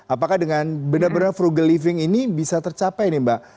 apakah dengan benar benar frugal living ini bisa tercapai nih mbak